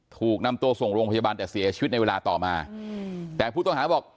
ถูกนำตัวส่งโรงพยาบาลแต่เสียชีวิตในเวลาต่อมาแต่ผู้ต้องหาบอก